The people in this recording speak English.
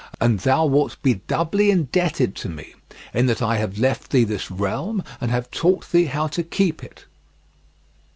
And thou wilt be doubly indebted to me, in that I have left thee this realm and have taught thee how to keep it."